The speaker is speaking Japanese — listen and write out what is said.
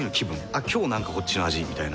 「あっ今日なんかこっちの味」みたいな。